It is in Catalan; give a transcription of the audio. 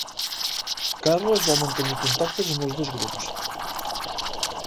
Carles va mantenir contactes amb els dos grups.